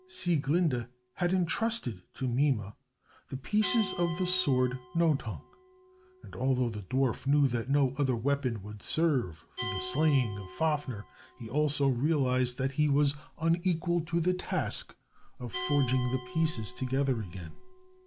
Sieglinde had entrusted to Mime the pieces of the sword Nothung, and although the dwarf knew that no other weapon would serve for the slaying of Fafner, he also realized that he was unequal to the task of forging the pieces together again.